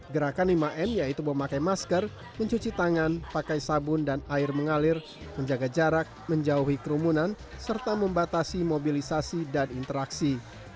gerakan lima m yaitu memakai masker mencuci tangan pakai sabun dan air mengalir menjaga jarak menjauhi kerumunan serta membatasi mobilisasi dan interaksi